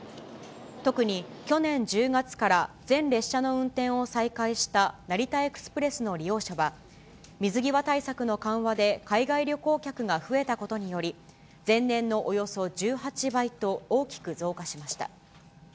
特に去年１０月から全列車の運転を再開した成田エクスプレスの利用者は、水際対策の緩和で海外旅行客が増えたことにより、前年のおよそ１８倍と、大きく増加しました。